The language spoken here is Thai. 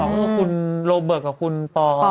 อ๋อหนึ่งกับของคุณโรเบิร์ตกับคุณปอร์